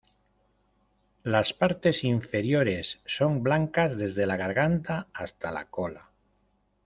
Las partes inferiores son blancas desde la garganta hasta la cola.